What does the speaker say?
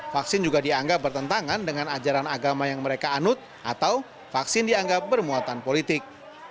vaksin juga dianggap bertentangan dengan ajaran agama yang mereka anut atau vaksin dianggap bermuatan politik